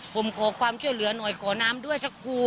ผมขอความช่วยเหลือหน่อยขอน้ำด้วยสักครู่